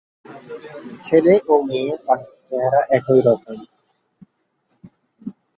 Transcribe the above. ছেলে ও মেয়ে পাখির চেহারা একই রকম।